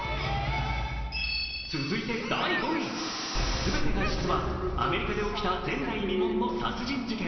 全てが実話、アメリカで起きた前代未聞の殺人事件。